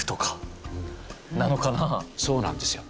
そうなんですよ。